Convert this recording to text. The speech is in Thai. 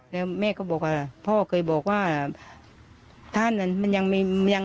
แล้วแม่ก็บอกว่าพ่อเคยบอกว่าท่านมันยังไม่ยัง